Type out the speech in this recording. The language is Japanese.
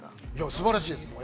◆すばらしいですよ。